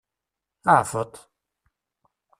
Ɛeffeṭ!